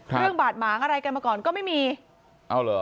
บาดหมางอะไรกันมาก่อนก็ไม่มีเอาเหรอ